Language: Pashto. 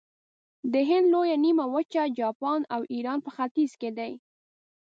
د هند لویه نیمه وچه، جاپان او ایران په ختیځ کې دي.